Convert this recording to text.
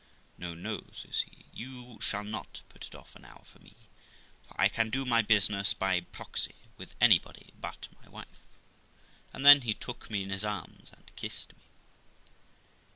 'No, no', says he; 'you shall not put it off an hour for me, for I can do my business by proxy with anybody but my wife.' And then he took me in his arms and kissed me.